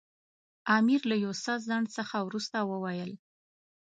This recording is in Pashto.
امیر له یو څه ځنډ څخه وروسته وویل.